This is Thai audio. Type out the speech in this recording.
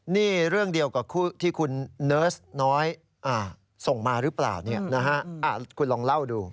นี่เรื่องเดียวกับที่คุณเนิร์สน้อยส่งมาหรือเปล่าคุณลองเล่าดู